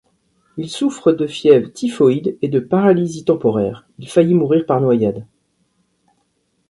Il souffre de fièvre typhoïde et de paralysie temporaire, il faillit mourir par noyade.